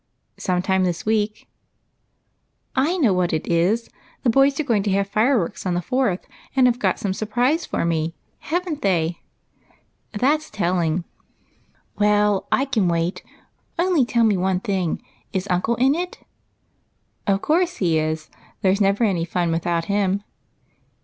" Sometime this week." " I know what it is ! The boys are going to have [ire works on the Fourth, and have got some surprise for me. Have n't they ?"" That's telling." "Well, I can wait; only tell me one thing, — is uncle in it ?"" Of course he is ; there 's never any fun without him."